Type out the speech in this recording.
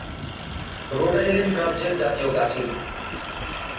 Road Island রাজ্যের জাতীয় গাছ এটি।